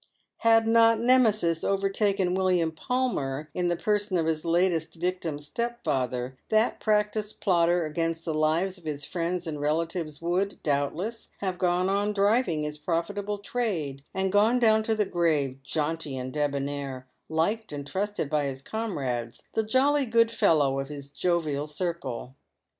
Had not Nemesis overtaken William Palmer, in the person of his latest victim's stepfather, that practised plotter against the lives of his friends and relatives would, doubtless, have gone on driving his profitable trade, and gone down to the grave jaunty and debonnaire, liked and trusted by his comrades, the jolly good fellow of his jovial circle.